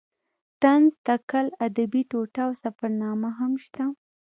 طنز تکل ادبي ټوټه او سفرنامه هم شته.